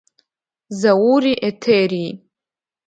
Заури Еҭерии…